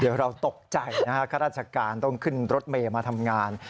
เดี๋ยวเราตกใจนะฮะข้าราชการต้องขึ้นรถเมย์มาทำงาน